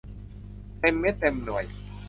เต็มเม็ดเต็มหน่วย